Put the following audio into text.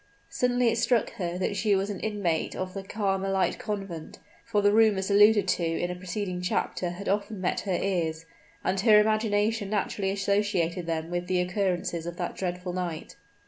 Suddenly it struck her that she was an inmate of the Carmelite Convent; for the rumors alluded to in a preceding chapter had often met her ears; and her imagination naturally associated them with the occurrences of that dreadful night.